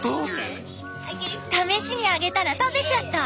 試しにあげたら食べちゃった！